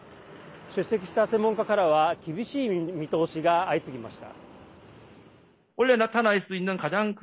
出席した専門家からは厳しい見通しが相次ぎました。